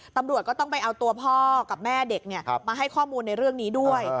ตำรวจก็ต้องไปเอาตัวพ่อกับแม่เด็กมาให้ข้อมูลในเรื่องนี้ด้วย